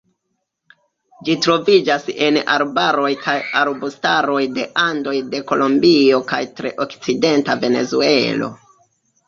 Ĝi troviĝas en arbaroj kaj arbustaroj de Andoj de Kolombio kaj tre okcidenta Venezuelo.